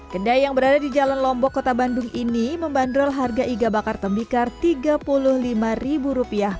kedai yang berada di jalan lombok kota bandung ini membanderol harga iga bakar tebikar tiga puluh lima rupiah